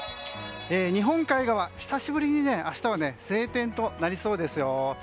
日本海側、久しぶりに明日は晴天となりそうですよ。